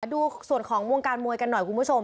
ดูส่วนของวงการมวยกันหน่อยคุณผู้ชม